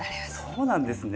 そうなんですね。